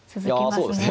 そうですね。